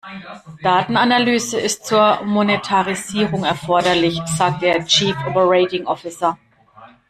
Datenanalyse ist zur Monetarisierung erforderlich, sagte der Chief Operating Officer.